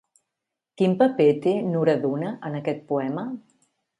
Quin paper té Nuredduna en aquest poema?